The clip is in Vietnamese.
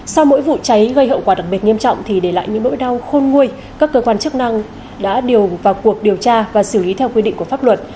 sau mỗi vụ cháy gây hậu quả đặc biệt nghiêm trọng thì để lại những nỗi đau khôn nguôi các cơ quan chức năng đã điều vào cuộc điều tra và xử lý theo quy định của pháp luật